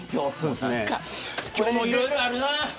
今日もいろいろあるな。